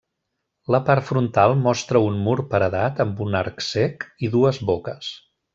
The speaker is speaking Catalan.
La part frontal mostra un mur paredat amb un arc cec i dues boques.